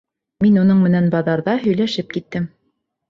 Мин уның менән баҙарҙа һөйләшеп киттем.